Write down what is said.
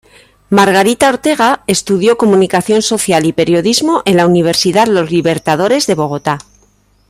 Margarita Ortega estudió Comunicación Social y Periodismo en la Universidad Los Libertadores, de Bogotá.